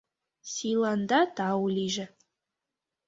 — Сийланда тау лийже.